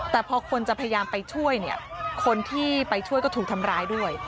แต่พอคนจะพยายามไปช่วยเนี่ยคนที่ไปช่วยก็ถูกทำร้ายด้วย